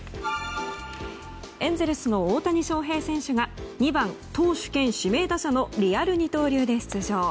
エンゼルスの大谷翔平選手が２番投手兼指名打者のリアル二刀流で出場。